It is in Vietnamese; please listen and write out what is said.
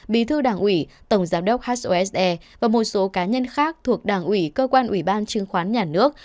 bí thư đảng ủy tổng giám đốc hose và một số cá nhân khác thuộc đảng ủy cơ quan ủy ban chứng khoán nhà nước